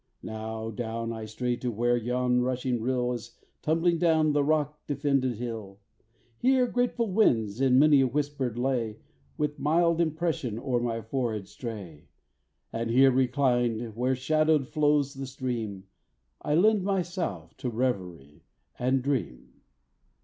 Now down I stray to where yon rushing rill Is tumbling down the rock defended hill, Here grateful winds in many a whispered lay, With mild impression o'er my forehead stray, And here reclined, where shadowed flows the stream, I lend myself to reverie and dream.